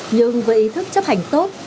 nhưng với ý thức chấp hành tốt